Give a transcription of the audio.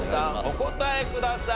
お答えください。